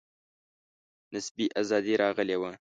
نسبي آزادي راغلې وه.